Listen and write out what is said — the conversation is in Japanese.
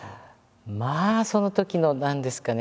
まあそのときの何ですかね